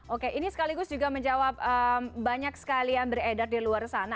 oke ini sekaligus juga menjawab banyak sekali yang beredar di luar sana